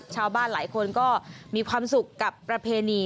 ชาวบ้านหลายคนก็มีความสุขกับประเพณี